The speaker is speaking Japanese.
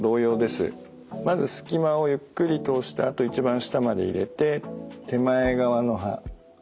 まずすき間をゆっくり通してあと一番下まで入れて手前側の歯。